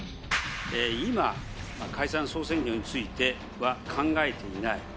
今、解散・総選挙については考えていない。